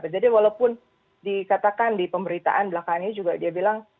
walaupun dikatakan di pemberitaan belakangnya juga dia bilang